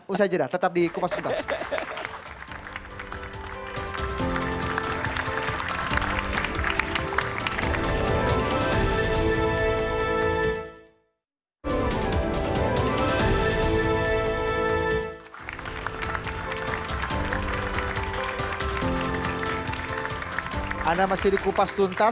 usaha jeda tetap di kupas kuntas